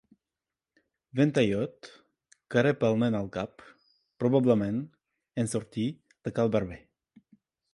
Ventallot que rep el nen al cap, probablement en sortir de cal barber.